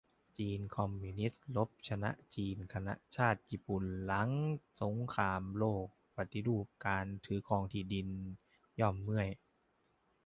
จีนคอมมิวนิสต์รบชนะจีนคณะชาติ ญี่ปุ่นหลังสงครามโลกปฏิรูปการถือครองที่ดิน ยอมเมื่อย